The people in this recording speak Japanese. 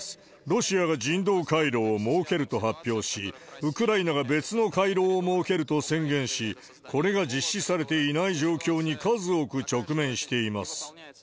ロシアが人道回廊を設けると発表し、ウクライナが別の回廊を設けると宣言し、これが実施されていない状況に数多く直面しています。